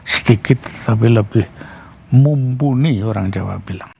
sedikit tapi lebih mumpuni orang jawa bilang